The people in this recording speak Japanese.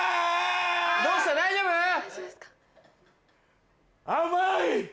どうした大丈夫？